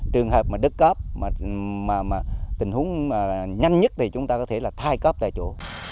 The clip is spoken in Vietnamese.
trường hợp mà đứt cốp mà tình huống nhanh nhất thì chúng ta có thể là thay cốp tại chỗ